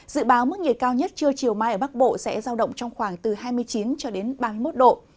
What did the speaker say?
dự báo mức nhiệt cao nhất trưa chiều mai ở bắc bộ sẽ giao động trong khoảng từ hai mươi chín cho đến ba mươi một độ